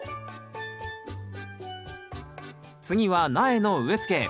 次は苗の植え付け